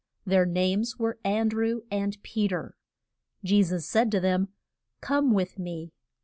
Their names were An drew and Pe ter. Je sus said to them, Come with me.